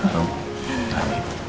bahkan kenyataan ih meng'mily juga